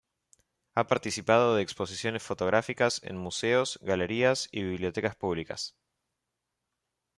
Ha participado de exposiciones fotográficas en Museos, Galerías y Bibliotecas Públicas.